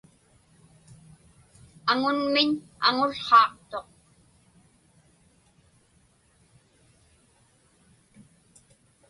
Aŋunmiñ aŋułhaaqtuq.